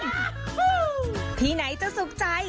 ฮู้ที่ไหนจะสุขใจ